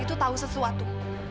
itu tahu sesuatu